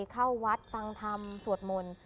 เข้าวัดฟังธรรมสวดมนต์